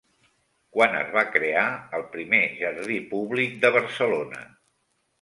Quan es va crear el primer jardí públic de Barcelona?